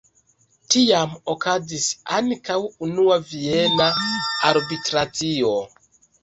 Tiam okazis ankaŭ Unua Viena Arbitracio.